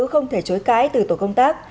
không thể chối cãi từ tổ công tác